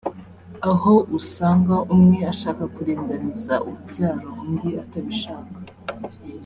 aho usanga umwe ashaka kuringaniza urubyaro undi atabishaka